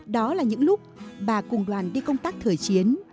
đó là những lúc bà cùng đoàn đi công tác thời chiến